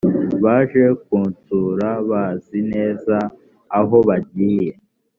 baje kusura bazi neza aho bagiye